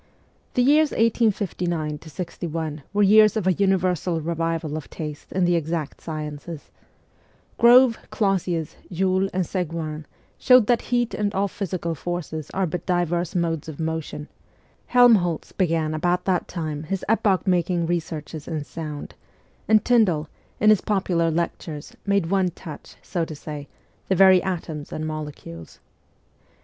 The years 1859 61 were years of a universal revival of taste in the exact sciences : Grove, Clausius, Joule, and Seguin showed that heat and all physical forces are but divers modes of motion ; Helmholtz began about that time his epoch making researches in sound ; and Tyndall, in his popular lectures, made one touch, so to say, the very atoms and molecules.